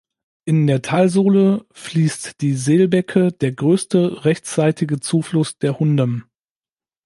In der Talsohle fließt die Selbecke, der größte rechtsseitige Zufluss der Hundem.